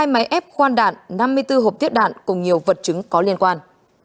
hai máy ép khoan đạn năm mươi bốn hộp tiết đạn cùng nhiều vật chứng có liên quan